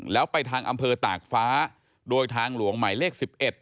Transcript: แล้วไปทางอำเภอตากฟ้าโดยทางหลวงหมายเลข๑๑